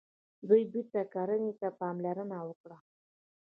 دوی بیرته کرنې ته پاملرنه وکړه.